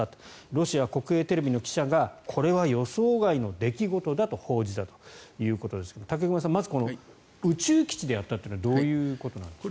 ロシア国営テレビの記者がこれは予想外の出来事だと報じたということですが武隈さん、まずこの宇宙基地でやったということはどういうことですか。